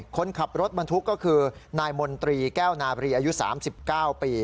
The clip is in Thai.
คนขับรถบรรทุกก็คือนายมนตรีแก้วนาบรีอายุ๓๙ปี